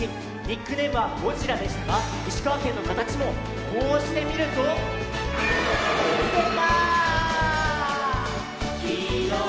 ニックネームは「ゴジラ」でしたが石川県のかたちもこうしてみるとでた！